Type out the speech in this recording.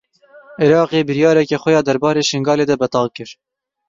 Iraqê biryareke xwe ya derbarê Şingalê de betal kir.